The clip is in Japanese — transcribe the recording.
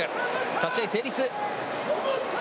立ち会い成立。